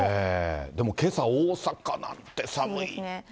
でもけさ、大阪なんて寒いですよ。